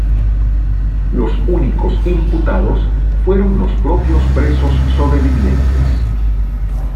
Los únicos imputados fueron los propios presos sobrevivientes.